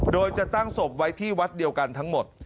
โดยจะตั้งศพไว้ที่วัดเดียวกันทั้งหมด